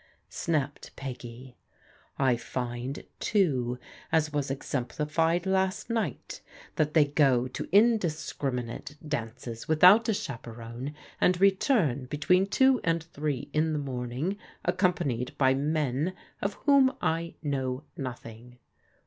" snapped Peggy. " I find, too, as was exemplified last night, that they go to indiscriminate dances without a chaperon, and return between two and three in the morning, accompanied by men of whom I know nothing."